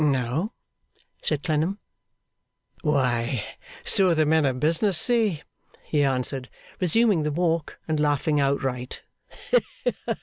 'No?' said Clennam. 'Why, so the men of business say,' he answered, resuming the walk and laughing outright.